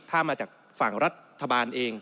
ถ้ามาจากฝั่งรัฐบาลเอง